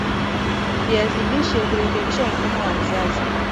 viazi lishe hurekebisha mfumo wa uzazi